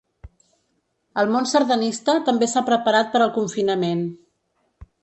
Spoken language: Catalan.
El món sardanista també s’ha preparat per al confinament.